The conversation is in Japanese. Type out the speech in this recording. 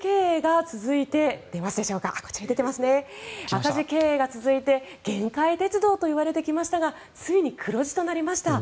赤字経営が続いて限界鉄道といわれてきましたがついに黒字となりました。